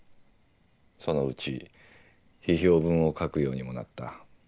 そのうち批評文を書くようにもなった。